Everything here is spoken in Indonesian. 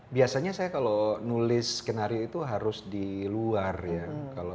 biasanya saya kalau nulis skenario itu harus di luar ya